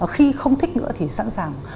khi không thích nữa thì sẵn sàng